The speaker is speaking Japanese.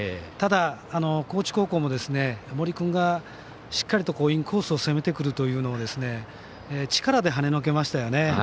ただ高知高校も森君がしっかりとインコースを攻めてくるというのを力で跳ねのけましたよね。